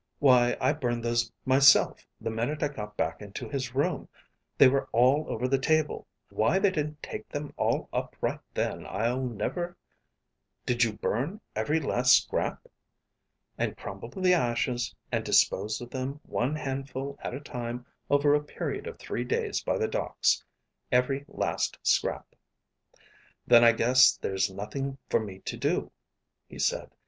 Why I burned those myself the minute I got back into his room. They were all over the table; why they didn't take them all up right then, I'll never " "Did you burn every last scrap?" "And crumbled the ashes, and disposed of them one handful at a time over a period of three days by the docks. Every last scrap." "Then I guess there's nothing for me to do," he said.